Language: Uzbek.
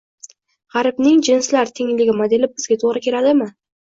G‘arbning «jinslar tengligi» modeli bizga to‘g‘ri keladimi?